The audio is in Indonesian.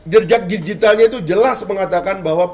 jerjak digitalnya itu jelas mengatakan bahwa